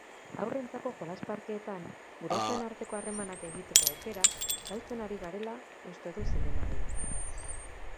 Haurrentzako jolas-parkeetan gurasoen arteko harremanak egiteko aukera galtzen ari garela uste du zinemagileak.